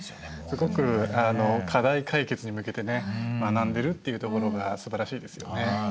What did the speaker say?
すごく課題解決に向けてね学んでるっていうところがすばらしいですよね。